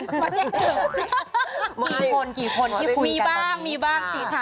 ขี่มีคนแสดงว่าจะคุยแค่ตอนนี้มีบ้าง